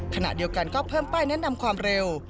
ขณะเดียวกันก็เพิ่มป้ายแนะนำความเร็ว